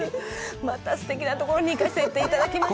またすてきなところに行かせていただきました。